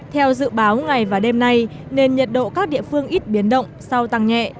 theo dự báo ngày và đêm nay nền nhiệt độ các địa phương ít biến động sau tăng nhẹ